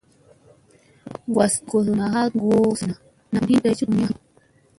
Was ii kozona ha goo zina nam hin day cukniye.